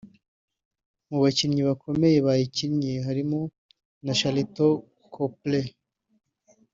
Mu bakinnyi bakomeye bayikinnye harimo Sharlto Copley